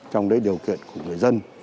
trong đấy điều kiện của người dân